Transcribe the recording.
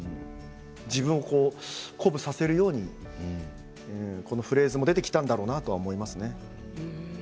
自分を鼓舞させるようにこのフレーズが出てきたんだろうなと思いますね。